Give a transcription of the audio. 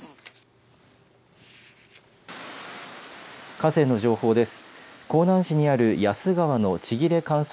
河川の情報です。